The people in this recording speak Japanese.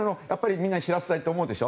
みんなに知らせたい！って思うでしょ？